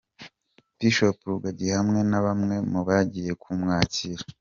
Bishop Rugagi hamwe na bamwe mu bagiye kumwakira.